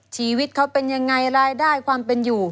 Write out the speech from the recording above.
ชีวิตเขาเป็นยังไงรายได้ความเป็นอยู่